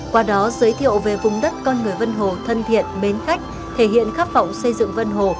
qua đó giới thiệu về vùng đất con người vân hồ thân thiện mến khách thể hiện khát vọng xây dựng vân hồ